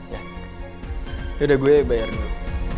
ya udah gue bayar dulu